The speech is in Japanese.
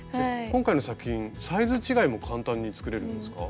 今回の作品サイズ違いも簡単に作れるんですか？